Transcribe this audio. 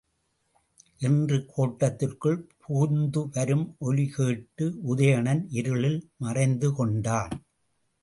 என்று கோட்டத்திற்குள் புகுந்துவரும் ஒலி கேட்டு, உதயணன் இருளில் மறைந்து கொண்டான்.